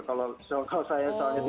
kalau saya soalnya tidur